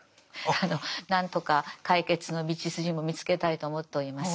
あの何とか解決の道筋も見つけたいと思っております。